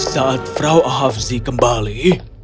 saat frau ahavzi kembali